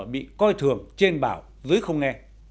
bị coi thường trên bảo dưới không nghe